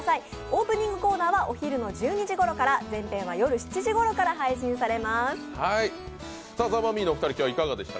オープニングコーナーはお昼の１２時ごろから全編は夜７時ごろから配信されます